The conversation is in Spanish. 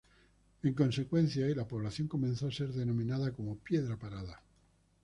En consecuencia, y la población comenzó a ser denominaba como "Piedra Parada".